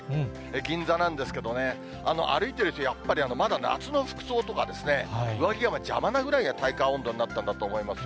銀座なんですけどね、歩いている人、やっぱりまだ夏の服装とか、上着が邪魔なぐらいな体感温度になったんだと思いますよ。